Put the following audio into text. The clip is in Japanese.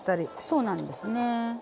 そうなんですね。